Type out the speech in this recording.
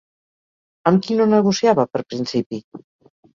Amb qui no negociava per principi?